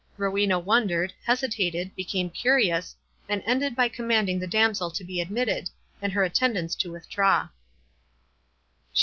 Rowena wondered, hesitated, became curious, and ended by commanding the damsel to be admitted, and her attendants to withdraw.